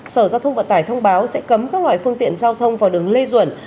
sở giao thông vận tải thông báo sẽ cấm các loại phương tiện giao thông vào đường lê duẩn